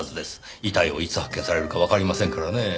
遺体をいつ発見されるかわかりませんからねぇ。